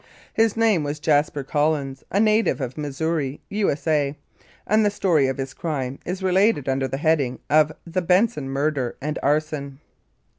His name was Jasper Collins, a native of Missouri, U.S.A., and the story of his crime is related under the heading of "The Benson Murder and Arson."